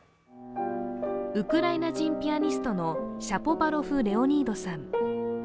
ウクライナ人ピアニストのシャポバロフ・レオニードさん。